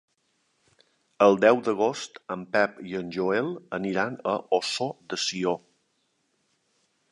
El deu d'agost en Pep i en Joel aniran a Ossó de Sió.